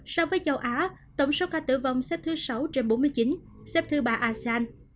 so với châu á tổng số ca tử vong xếp thứ sáu trên bốn mươi chín xếp thứ ba asean